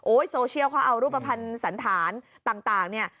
โซเชียลเขาเอารูปภัณฑ์สันธารต่างเนี่ย